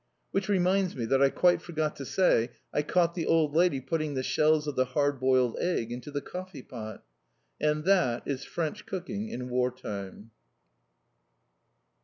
Which reminds me that I quite forgot to say I caught the old lady putting the shells of the hard boiled egg into the coffee pot! And that is French cooking in War time!